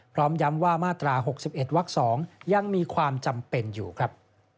พร้อมย้ำว่ามาตรา๖๑วัก๒ยังมีความจำเป็นอยู่ครับ